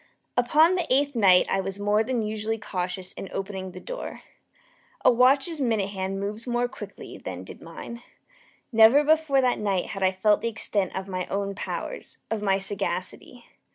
Upon the eighth night I was more than usually cautious in opening the door. A watch's minute hand moves more quickly than did mine. Never before that night had I felt the extent of my own powers of my sagacity.